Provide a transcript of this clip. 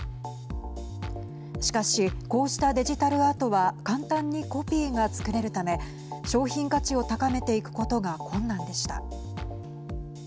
しかしこうしたデジタルアートは簡単にコピーが作れるため商品価値を高めていくことが困難でした。